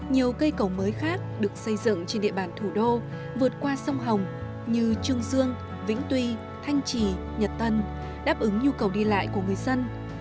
nhiều cây cầu mới khác được xây dựng trên địa bàn thủ đô vượt qua sông hồng như trương dương vĩnh tuy thanh trì nhật tân đáp ứng nhu cầu đi lại của người dân